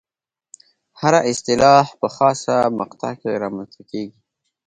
هره اصطلاح په خاصه مقطع کې رامنځته کېږي.